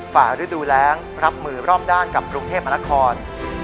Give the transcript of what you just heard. ฝ่าฤดูแรงรับมือรอบด้านกับกรุงเทพมนคร